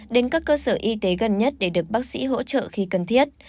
đến các cơ sở y tế gần nhất để được bác sĩ hỗ trợ khi cần thiết